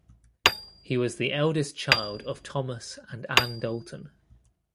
He was the eldest child of Thomas and Ann Dalton.